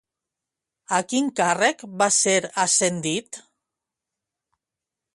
A quin càrrec va ser ascendit?